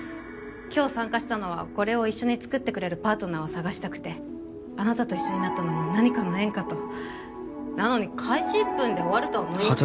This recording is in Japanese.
今日参加したのはこれを一緒に作ってくれるパートナーを探したくてあなたと一緒になったのも何かの縁かとなのに開始１分で終わるとは思いませんでした